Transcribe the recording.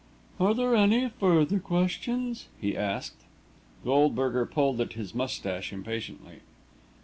"Are there any further questions?" he asked. Goldberger pulled at his moustache impatiently.